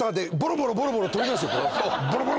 ボロボロ。